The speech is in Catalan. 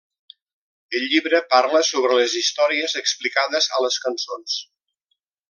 El llibre parla sobre les històries explicades a les cançons.